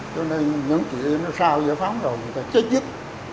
cho nên những chuyện nó sao giải phóng rồi người ta chết giấc